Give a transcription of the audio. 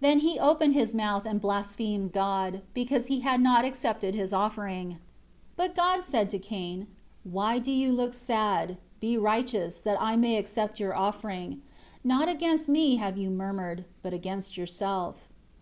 25 Then he opened his mouth and blasphemed God, because He had not accepted his offering. 26 But God said to cain, "Why do you look sad? Be righteous, that I may accept your offering. Not against Me have you murmured, but against yourself.